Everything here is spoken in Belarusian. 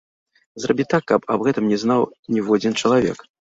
Зрабі так, каб аб гэтым не знаў ніводзін чалавек.